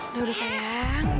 udah udah sayang